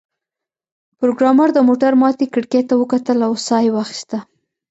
پروګرامر د موټر ماتې کړکۍ ته وکتل او ساه یې واخیسته